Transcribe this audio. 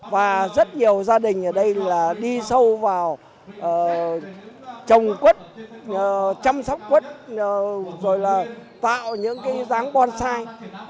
và rất nhiều gia đình ở đây là đi sâu vào trồng quất chăm sóc quất rồi là tạo những cái dáng bonsai